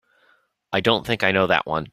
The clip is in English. I don't think I know that one.